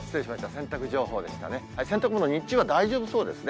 洗濯物、日中は大丈夫そうですね。